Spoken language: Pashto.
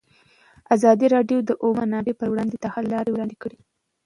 ازادي راډیو د د اوبو منابع پر وړاندې د حل لارې وړاندې کړي.